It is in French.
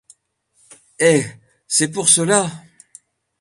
Eh ! c’est pour cela !…